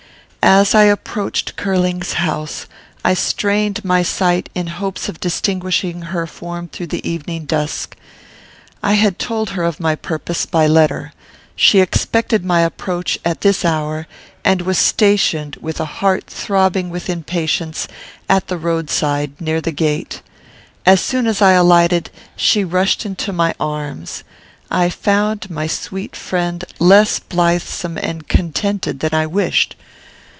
As I approached Curling's house, I strained my sight, in hopes of distinguishing her form through the evening dusk. I had told her of my purpose, by letter. She expected my approach at this hour, and was stationed, with a heart throbbing with impatience, at the roadside, near the gate. As soon as I alighted, she rushed into my arms. I found my sweet friend less blithesome and contented than I wished.